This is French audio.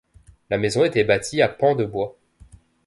La maison était bâtie à pans de bois.